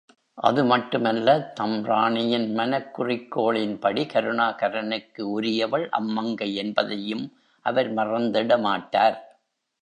அது மட்டுமல்ல தம் ராணியின் மனக் குறிக்கோளின்படி, கருணாகரனுக்கு உரியவள் அம்மங்கை என்பதையும் அவர் மறந்திட மாட்டார்!